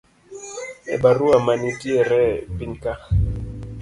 e barua manitiere pinyka